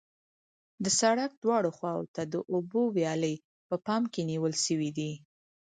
د سرک دواړو خواو ته د اوبو ویالې په پام کې نیول شوې دي